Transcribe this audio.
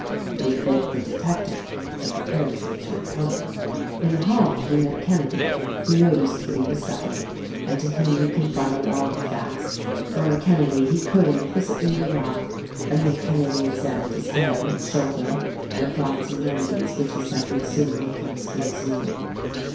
But he thanked the detective and prepared to return home. 126 THE RECORDING ANGEL In the hall he met Kenedy who noticed that he was suf fering, and to him he confided all the facts — for on Kenedy he could implicitly rely, — and then Kenedy examined his head and shoulder and applied some remedies which he said would soon make him as good as new.